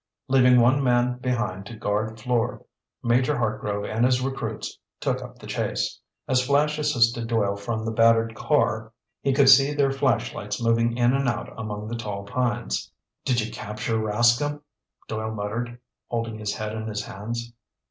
Leaving one man behind to guard Fleur, Major Hartgrove and his recruits took up the chase. As Flash assisted Doyle from the battered car, he could see their flashlights moving in and out among the tall pines. "Did you capture Rascomb?" Doyle muttered, holding his head in his hands.